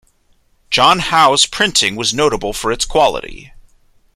John Howe's printing was notable for its quality.